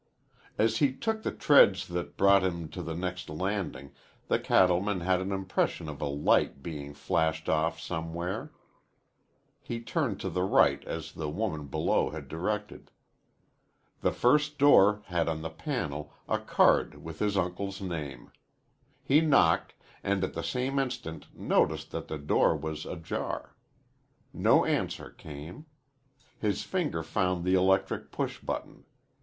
As he took the treads that brought him to the next landing the cattleman had an impression of a light being flashed off somewhere. He turned to the right as the woman below had directed. The first door had on the panel a card with his uncle's name. He knocked, and at the same instant noticed that the door was ajar. No answer came. His finger found the electric push button.